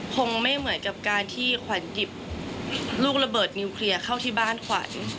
คงไม่เหมือนกับการที่ขวัญหยิบลูกระเบิดนิวเคลียร์เข้าที่บ้านขวัญ